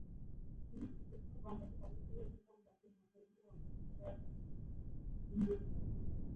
তিনি উর্দু সহ বাংলাকে পাকিস্তানের অন্যতম জাতীয় ভাষা হিসাবে অন্তর্ভুক্ত করার দাবি করেছিলেন।